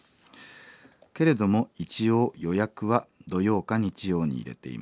けれども一応予約は土曜か日曜に入れています。